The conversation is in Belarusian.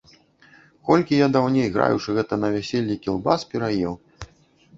Колькі я даўней, граючы, гэта, на вяселлі, кілбас пераеў.